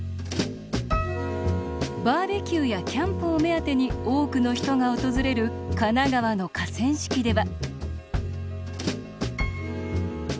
バーベキューやキャンプを目当てに多くの人が訪れる神奈川の河川敷では。